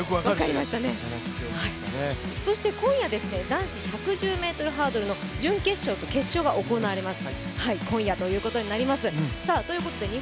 今夜、男子１１０ｍハードルの準決勝と決勝が行われます。